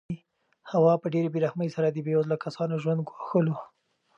هوا په ډېرې بې رحمۍ سره د بې وزله کسانو ژوند ګواښلو.